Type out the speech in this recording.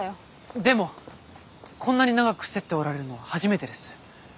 でもこんなに長くふせっておられるのは初めてです。